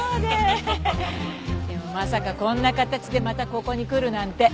でもまさかこんな形でまたここに来るなんて。